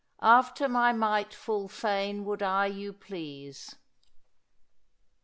'after my might FUL FAYNE wold I YOU FLESE.'